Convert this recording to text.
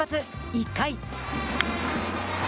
１回。